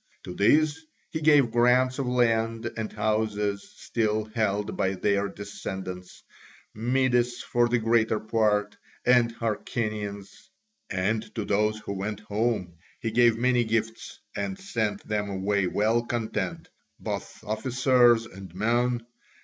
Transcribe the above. To these he gave grants of land and houses, still held by their descendants, Medes for the greater part, and Hyrcanians. And to those who went home he gave many gifts and sent them away well content, both officers and men.